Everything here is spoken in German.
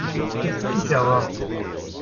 Jetzt will ich aber.